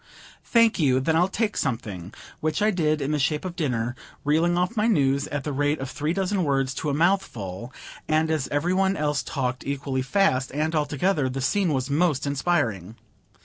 "Thank you; then I'll take something:" which I did, in the shape of dinner, reeling off my news at the rate of three dozen words to a mouthful; and as every one else talked equally fast, and all together, the scene was most inspiring.